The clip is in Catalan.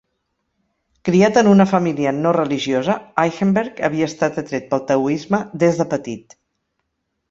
Criat en una família no religiosa, Eichenberg havia estat atret pel taoisme des de petit.